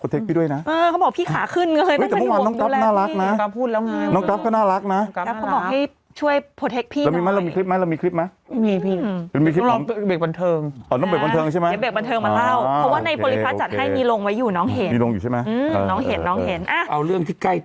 เธอยังต้องพูดอย่างนี้